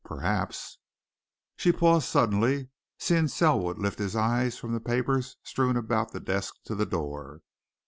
Perhaps " She paused suddenly, seeing Selwood lift his eyes from the papers strewn about the desk to the door.